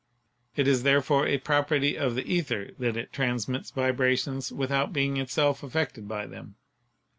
It is therefore a property of the ether that it transmits vibrations without being itself affected by them.